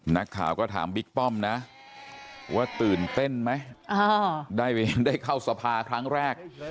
นักข่าวก็ถามบิ๊กป้อมนะว่าตื่นเต้นไหมได้เข้าสภาครั้งแรก